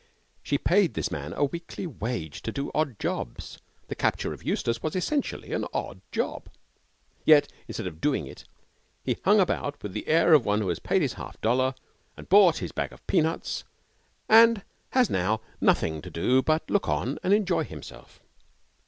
She paid this man a weekly wage to do odd jobs. The capture of Eustace was essentially an odd job. Yet, instead of doing it, he hung about with the air of one who has paid his half dollar and bought his bag of peanuts and has now nothing to do but look on and enjoy himself.